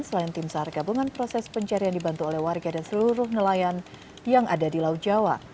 selain tim sar gabungan proses pencarian dibantu oleh warga dan seluruh nelayan yang ada di laut jawa